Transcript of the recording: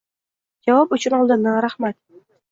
Javob uchun oldindan rahmat.